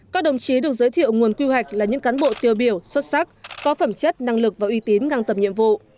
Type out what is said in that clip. các đồng chí được giới thiệu nguồn quy hoạch là những cán bộ tiêu biểu xuất sắc có phẩm chất năng lực và uy tín ngang tầm nhiệm vụ